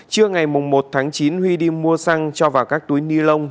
trưa ngày một tháng chín huy đi mua xăng cho vào các túi ni lông